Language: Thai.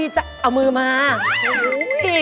ทำไมเอามือมานะเฮ่ย